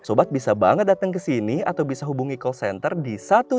sobat bisa banget datang ke sini atau bisa hubungi call center di satu